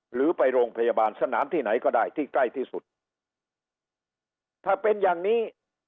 หรือไปโรงพยาบาลสนามที่ไหนก็ได้ที่ใกล้ที่สุดถ้าเป็นอย่างนี้